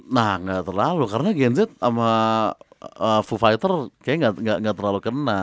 nah gak terlalu karena gen z sama foo fighter kayaknya gak terlalu kena